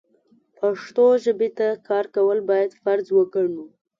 پښتو ژبې ته کار کول بايد فرض وګڼو.